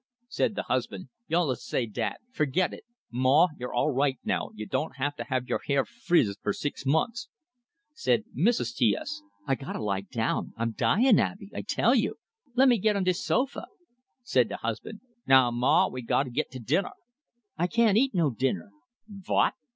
Said the husband: "Y'allus say dat. Fergit it, Maw, you're all right now, you don't have to have your hair frizzed fer six mont's!" Said Mrs. T S: "I gotta lie down. I'm dyin', Abey, I tell you. Lemme git on de sofa." Said the husband: "Now, Maw, we gotta git to dinner " "I can't eat no dinner." "Vot?"